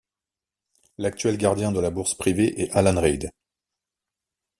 L'actuel gardien de la bourse privée est Alan Reid.